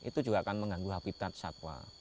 itu juga akan mengganggu habitat satwa